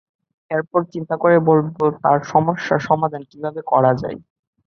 এরপর চিন্তা করে বলব, তার সমস্যার সমাধান কিভাবে করা যায়।